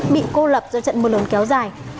do trận mưa lớn kéo dài